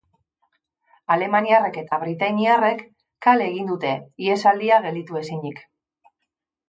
Alemaniarrek eta britainiarrek kale egin dute, ihesaldia gelditu ezinik.